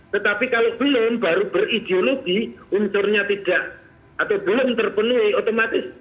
tetapi kalau belum baru berideologi unsurnya tidak atau belum terpenuhi otomatis